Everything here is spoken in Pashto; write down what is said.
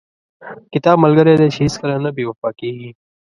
• کتاب ملګری دی چې هیڅکله نه بې وفا کېږي.